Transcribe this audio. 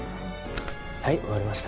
はい終わりました